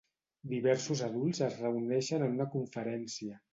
Diversos adults es reuneixen en una conferència.